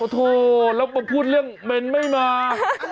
โถแล้วมาพูดเรื่องเมนไม่มา